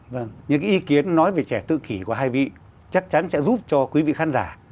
vâng những cái ý kiến nói về trẻ tự kỷ của hai vị chắc chắn sẽ giúp cho quý vị khán giả